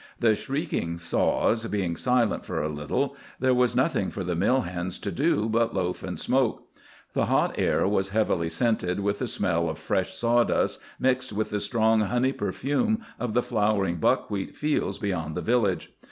The shrieking saws being silent for a little, there was nothing for the mill hands to do but loaf and smoke. The hot air was heavily scented with the smell of fresh sawdust mixed with the strong honey perfume of the flowering buckwheat fields beyond the village.